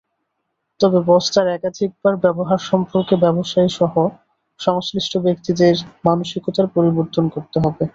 তবে বস্তার একাধিকবার ব্যবহার সম্পর্কে ব্যবসায়ীসহ সংশ্লিষ্ট ব্যক্তিদের মানসিকতার পরিবর্তন করতে হবে।